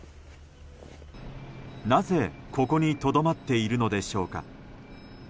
なぜ、ここにとどまっているのでしょうか。